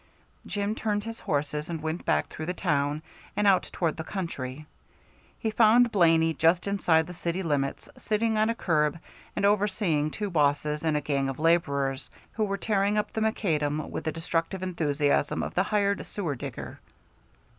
Jim turned his horses and went back through the town and out toward the country. He found Blaney just inside the city limits, sitting on a curb and overseeing two bosses and a gang of laborers, who were tearing up the macadam with the destructive enthusiasm of the hired sewer digger.